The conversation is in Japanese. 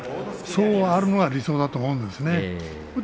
そうあるのが理想だと思うんですよね。